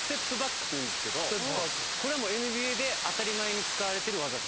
これはＮＢＡで当たり前に使われている技です。